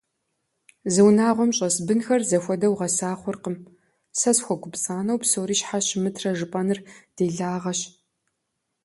Зы унагъуэм щӀэс бынхэр зэхуэдэу гъэса хъуркъым, сэ схуэгупцӀанэу псори щхьэ щымытрэ жыпӀэныр делагъэщ.